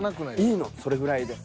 いいのそれぐらいで。